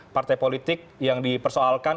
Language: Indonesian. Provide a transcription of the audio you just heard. partai politik yang dipersoalkan